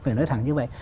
phải nói thẳng như vậy